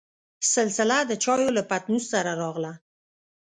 سلسله دچايو له پتنوس سره راغله.